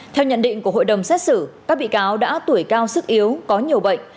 theo nhận định của hội đồng xét xử các bị cáo đã tuổi cao sức yếu có nhiều bệnh